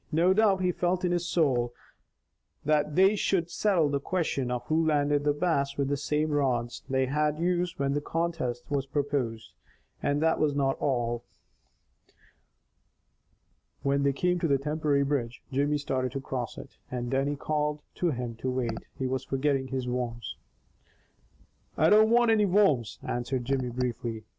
No doubt he felt in his soul that they should settle the question of who landed the Bass with the same rods they had used when the contest was proposed, and that was not all. When they came to the temporary bridge, Jimmy started across it, and Dannie called to him to wait, he was forgetting his worms. "I don't want any worms," answered Jimmy briefly.